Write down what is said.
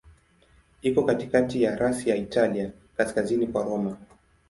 Iko katikati ya rasi ya Italia, kaskazini kwa Roma.